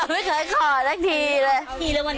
เธอเคยขอซักทีเลย